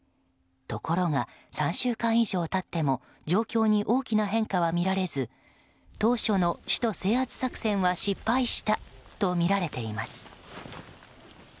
ところが、３週間以上経っても状況に大きな変化は見られず当初の首都制圧作戦は失敗したとみられています。